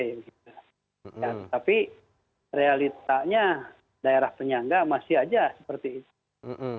ya tapi realitanya daerah penyangga masih aja seperti itu